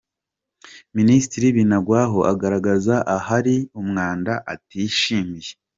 Minisitiri Binagwaho agaragaza ahari umwanda atishimiye.